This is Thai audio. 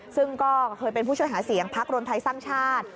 ซึ่งก็เคยเป็นผู้ช่วยหาเสียงพักรวมไทยสร้างชาติ